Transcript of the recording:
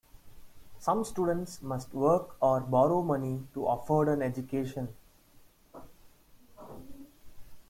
Some students must work or borrow money to afford an education.